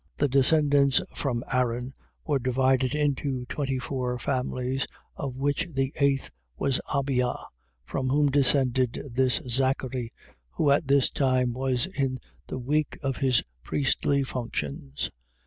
the descendants from Aaron were divided into twenty four families, of which the eighth was Abia, from whom descended this Zachary, who at this time was in the week of his priestly functions.